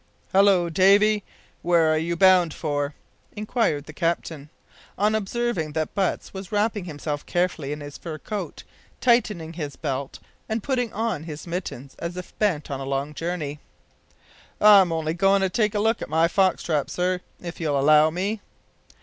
"Hallo, Davy! where are you bound for?" inquired the captain, on observing that Butts was wrapping himself carefully in his fur coat, tightening his belt, and putting on his mittens as if bent on a long journey. "I'm only goin' to take a look at my fox trap, sir, if you'll allow me."